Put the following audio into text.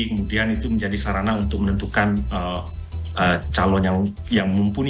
kemudian itu menjadi sarana untuk menentukan calon yang mumpuni